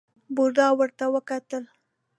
بوډا ور وکتل.